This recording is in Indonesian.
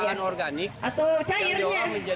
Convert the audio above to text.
jumlahnya di papan